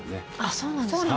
そうなんですか。